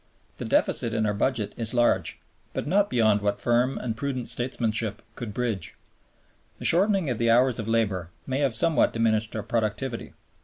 The deficit in our Budget is large, but not beyond what firm and prudent statesmanship could bridge. The shortening of the hours of labor may have somewhat diminished our productivity.